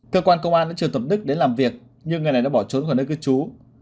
cơ quan công an đã triều tập đức đến làm việc nhưng người này đã bỏ trốn khỏi nơi cư trú